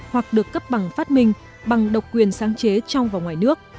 hoặc được cấp bằng phát minh bằng độc quyền sáng chế trong và ngoài nước